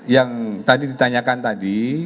yang tadi ditanyakan tadi